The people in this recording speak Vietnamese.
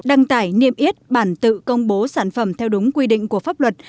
đăng tải niêm yết bản tự công bố sản phẩm theo đúng quy định của pháp luật